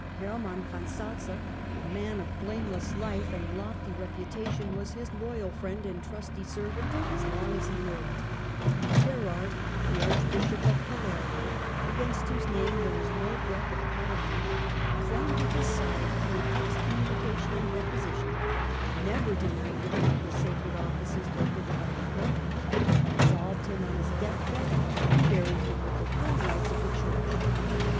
Hermann von Salza, a man of blameless life and lofty reputation, was his loyal friend and trusty servant as long as he lived. 292 STUPOR MUNDI Berard, the Archbishop of Palermo, against whose name there was no breath of calumny, clung to his side through excommunication and deposition, never denied to him the sacred offices forbidden by the Pope, absolved him on his deathbed and buried him with the full rites of the Church.